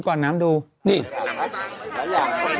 ค่ะถ้าพัฒนาไม่ได้ก็อยากให้กระเศียรไปเร็วนะคะ